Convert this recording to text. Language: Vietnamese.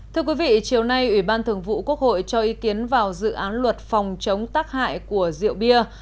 thưa quý vị chiều nay ủy ban thường vụ quốc hội cho ý kiến vào dự án luật phòng chống tác hại của rượu bia